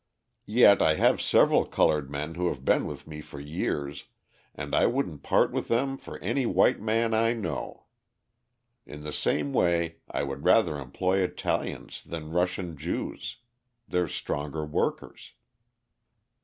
Yet I have several coloured men who have been with me for years, and I wouldn't part with them for any white man I know. In the same way I would rather employ Italians than Russian Jews: they're stronger workers."